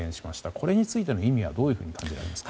これについての意味はどう感じられますか？